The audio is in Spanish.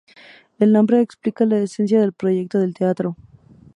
El nombre explica la esencia del proyecto del teatro.